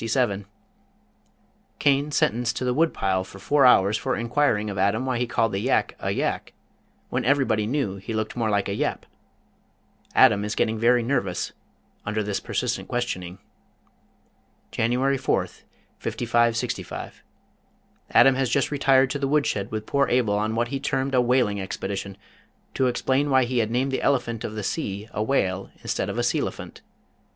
Cain sentenced to the wood pile for four hours for enquiring of Adam why he called the Yak a Yak when everybody knew he looked more like a Yap. Adam is getting very nervous under this persistent questioning. January 4th, 5565. Adam has just retired to the wood shed with poor Abel on what he termed a "whaling expedition," to explain why he had named the elephant of the sea a whale instead of a sealephant.